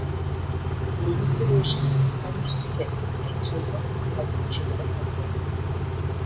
Les mythologistes en eussent fait, avec raison, la bouche de leur enfer.